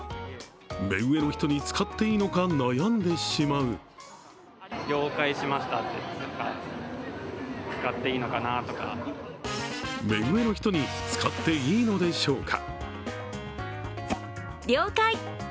目上の人に使っていいのか悩んでしまう目上の人に使っていいのでしょうか？